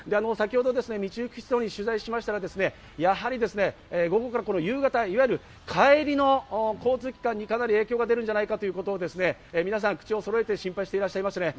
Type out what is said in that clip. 先ほど道行く人に取材しましたら、やはり午後から夕方、帰りの交通機関に影響が出るんじゃないかということを皆さん口をそろえて心配していらっしゃいます。